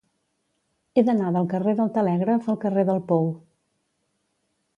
He d'anar del carrer del Telègraf al carrer del Pou.